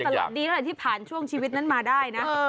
อย่างนี้เงี้ยตลอดดีกว่าที่ผ่านช่วงชีวิตนั้นมาได้นะ